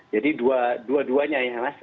jadi dua duanya ya mas